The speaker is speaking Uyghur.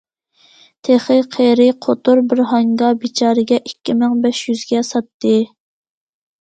تېخى قېرى، قوتۇر بىر ھاڭگا... بىچارىگە ئىككى مىڭ بەش يۈزگە ساتتى.